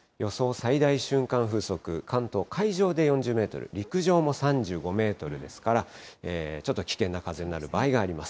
最大瞬間風速、関東、海上で４０メートル、陸上も３５メートルですから、ちょっと危険な風になる場合があります。